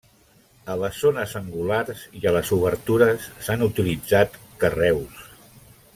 A les zones angulars i a les obertures s'han utilitzat carreus.